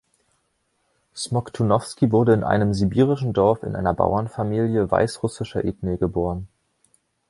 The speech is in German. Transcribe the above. Smoktunovsky wurde in einem sibirischen Dorf in einer Bauernfamilie weißrussischer Ethnie geboren.